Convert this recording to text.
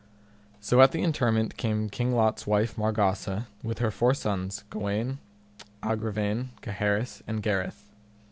So at the interment came King Lot's wife Margawse with her four sons, Gawaine, Agravaine, Gaheris, and Gareth.